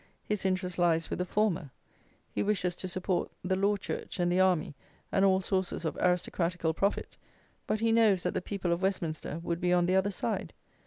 His interest lies with the former; he wishes to support the law church and the army and all sources of aristocratical profit; but, he knows, that the people of Westminster would be on the other side.